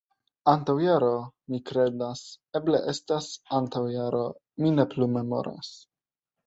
Antaŭ jaro, mi kredas... eble estas antaŭ jaro. Mi ne plu memoras